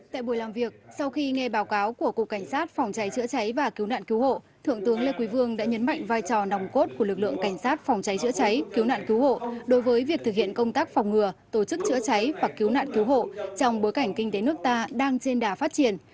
tại buổi làm việc sau khi nghe báo cáo của cục cảnh sát phòng cháy chữa cháy và cứu nạn cứu hộ thượng tướng lê quý vương đã nhấn mạnh vai trò nòng cốt của lực lượng cảnh sát phòng cháy chữa cháy cứu nạn cứu hộ đối với việc thực hiện công tác phòng ngừa tổ chức chữa cháy và cứu nạn cứu hộ trong bối cảnh kinh tế nước ta đang trên đà phát triển